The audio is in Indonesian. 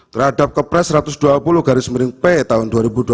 terhadap kepres satu ratus dua puluh garis miring p tahun dua ribu dua puluh